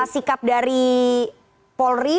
sikap dari polri